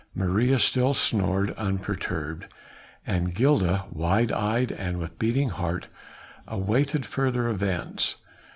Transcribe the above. Maria still snored unperturbed, and Gilda, wide eyed and with beating heart, awaited further events.